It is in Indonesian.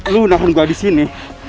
lu nahan gua disini